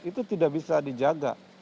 itu tidak bisa dijaga